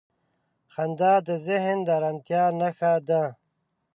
• خندا د ذهن د آرامتیا نښه ده.